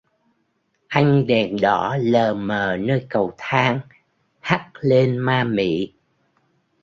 Anh đèn đỏ lờ mở nơi cầu thang hắt lên ma mị